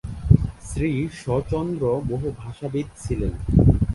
শ্রীশচন্দ্র বহু ভাষাবিদ ছিলেন।